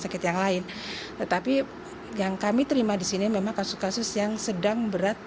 sakit yang lain tetapi yang kami terima di sini memang kasus kasus yang sedang berat